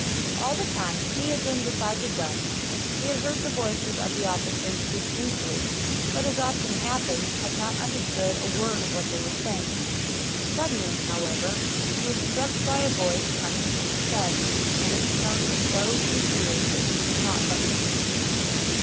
All the time he had been beside the gun, he had heard the voices of the officers distinctly, but as often happens had not understood a word of what they were saying. Suddenly, however, he was struck by a voice coming from the shed, and its tone was so sincere that he could not but listen.